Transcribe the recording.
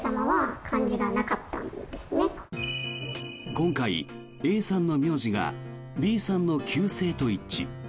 今回、Ａさんの名字がＢさんの旧姓と一致。